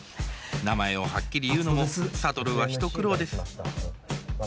名前をはっきり言うのも諭は一苦労です。